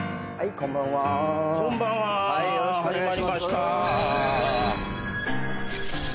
こんばんは始まりました。